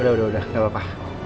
udah udah udah gak apa